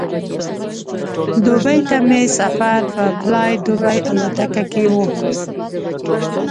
دوبۍ ته مې سفر په فلای دوبۍ الوتکه کې و.